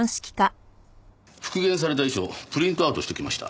復元された遺書プリントアウトしておきました。